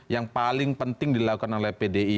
yang paling penting dilakukan oleh pdi